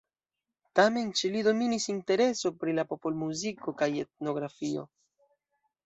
Tamen ĉe li dominis intereso pri la popolmuziko kaj etnografio.